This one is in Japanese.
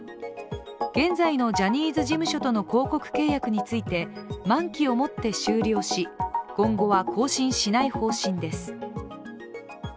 現在のジャニーズ事務所との広告契約について満期を持って終了し、今後は更新しない方針です。